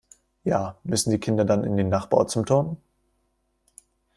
Ja müssen die Kinder dann in den Nachbarort zum Turnen?